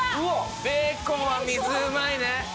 ベーコンは水うまいね。